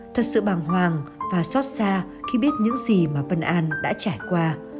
thật sự bàng hoàng và xót xa khi biết những gì mà vân an đã trải qua